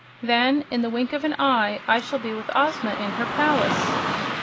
Then, in the wink of an eye, I shall be with Ozma in her palace."